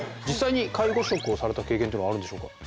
実際に介護職をされた経験っていうのはあるんでしょうか。